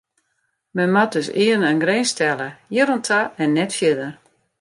Men moat dus earne in grins stelle: hjir oan ta en net fierder.